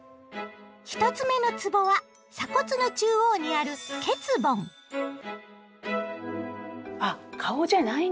１つ目のつぼは鎖骨の中央にあるあっ顔じゃないんですね。